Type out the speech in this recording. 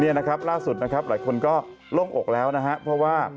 นี่นะครับล่าสุดนะครับหลายคนก็โล่งอกแล้วนะฮะเพราะว่า